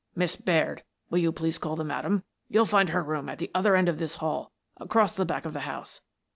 Miss Baird, will you please call the madam? You'll find her rooms at the other end of this hall, across the back of the house.